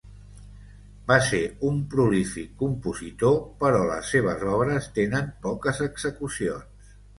Va ser un prolífic compositor, però les seves obres tenen poques execucions.